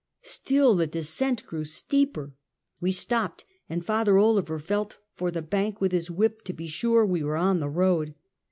Still the descent grew steeper. We stopped, and Father Clever felt for the bank with his whip to be sure we were on the road.